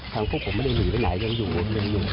ทางคุกผมไม่ได้หน่อยไหนยังอยู่วน๑๒๐